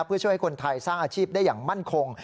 เพื่อช่วยให้คนไทยสร้างอาชีพได้อย่างมั่นคง